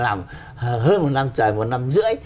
làm hơn một năm trời một năm rưỡi